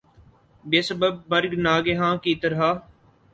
بے سبب مرگ ناگہاں کی طرح